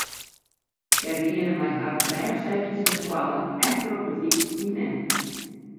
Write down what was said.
Hja geane mei harren rêchsekjes nei skoalle, efter op de fyts by mem.